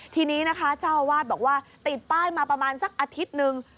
ทีนี้นะคะเจ้าอาวาสบอกว่าติดป้ายมาประมาณสักอาทิตย์หนึ่ง